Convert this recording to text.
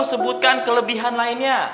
sebutkan kelebihan lainnya